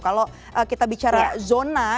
kalau kita bicara zona